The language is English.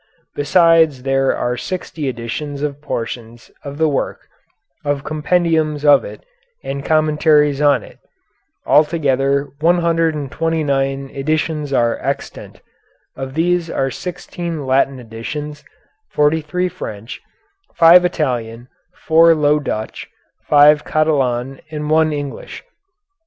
Besides there are sixty editions of portions of the work, of compendiums of it and commentaries on it. Altogether 129 editions are extant. Of these there are sixteen Latin editions, forty three French, five Italian, four Low Dutch, five Catalan, and one English.